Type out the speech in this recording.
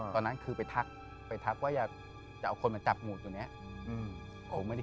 ตอนนั้นคือไปทักไปทักว่าจะเอาคนมาจับหมูตัวนี้